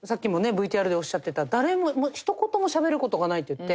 ＶＴＲでおっしゃってた誰もひと言もしゃべる事がないっていって。